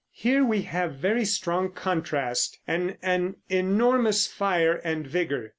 Here we have very strong contrast and an enormous fire and vigor.